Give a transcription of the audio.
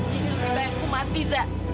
jangan berbayang aku mati zak